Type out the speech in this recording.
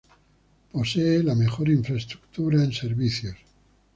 Posee la mejor infraestructura en servicios.